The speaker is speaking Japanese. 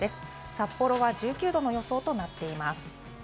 札幌は１９度の予想となっています。